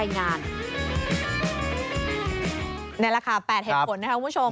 นี่แหละค่ะ๘เหตุผลนะครับคุณผู้ชม